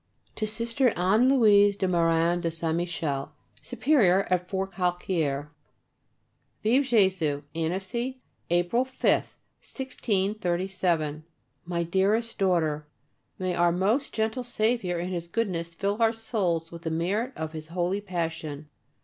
To Sister Anne Louise de Marin de Saint Michel, Superior at Forcalquier. Vive [+] Jésus! ANNECY, April 5th, 1637. MY DEAREST DAUGHTER, May our most gentle Saviour in His goodness fill our souls with the merits of His holy Passion!